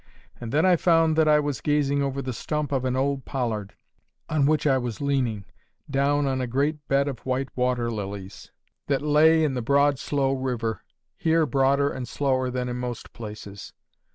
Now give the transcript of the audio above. And then I found that I was gazing over the stump of an old pollard, on which I was leaning, down on a great bed of white water lilies, that lay in the broad slow river, here broader and slower than in most places.